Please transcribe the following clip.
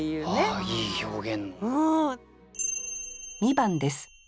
ああいい表現。